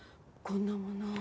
こんなもの。